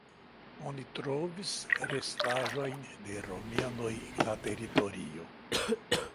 Oni trovis restaĵojn de romianoj en la teritorio.